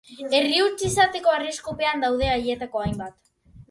Herri huts izateko arriskupean daude haietako hainbat.